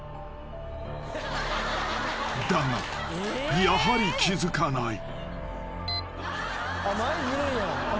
［だがやはり気付かない］